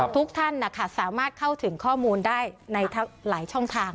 ทุกท่านสามารถเข้าถึงข้อมูลได้ในหลายช่องทาง